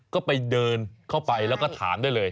ก็ไปเดินเข้าไปแล้วก็ถามได้เลย